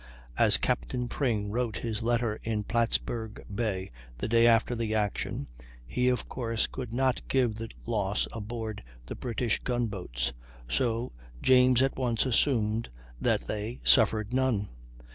As Captain Pring wrote his letter in Plattsburg Bay the day after the action, he of course could not give the loss aboard the British gun boats; so James at once assumed that they suffered none.